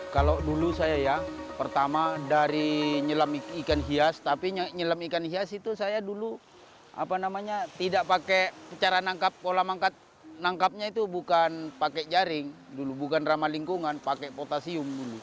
kalau dulu saya ya pertama dari nyelam ikan hias tapi nyelam ikan hias itu saya dulu tidak pakai cara nangkap pola mangkat nangkapnya itu bukan pakai jaring bukan ramah lingkungan pakai potasium